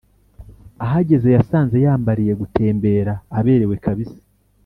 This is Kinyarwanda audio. ahageze yasanze yambariye gutembera aberewe kabisa,